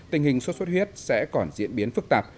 tình hình xuất xuất huyết sẽ còn diễn biến phức tạp